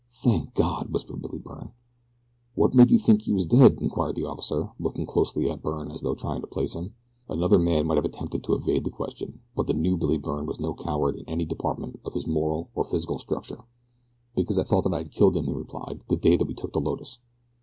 "Thank God!" whispered Billy Byrne. "What made you think he was dead?" inquired the officer, looking closely at Byrne as though trying to place him. Another man might have attempted to evade the question but the new Billy Byrne was no coward in any department of his moral or physical structure. "Because I thought that I had killed him," he replied, "the day that we took the Lotus."